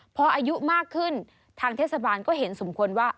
พออายุมากขึ้นทางเทศบาลก็เห็นสมควรว่า